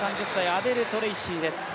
アデル・トレイシーです。